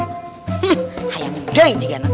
hmm kayak mudah ini juga nak